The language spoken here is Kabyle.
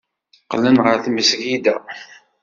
Qqlen ɣer tmesgida.